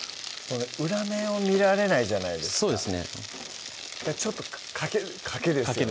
裏面を見られないじゃないですかそうですねちょっと賭けですよね